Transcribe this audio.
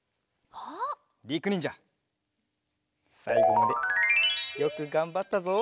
りくにんじゃさいごまでよくがんばったぞ！